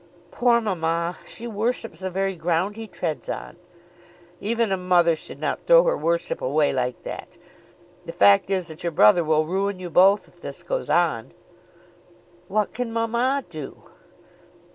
"Poor mamma! She worships the very ground he treads on." "Even a mother should not throw her worship away like that. The fact is that your brother will ruin you both if this goes on." "What can mamma do?"